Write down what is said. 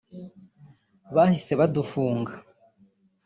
bahise badufunga